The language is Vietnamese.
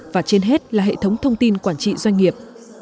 và trên hết là hệ thống thông tin quản trị doanh nghiệp